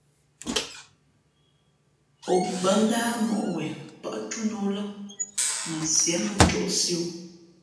O bάndáh mǒʼ wen pάʼ túná ō lά mα Sié mᾱ njōʼsī o.